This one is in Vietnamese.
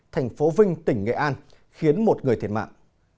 thành phố vinh tỉnh nghệ an khiến một người thiệt mạng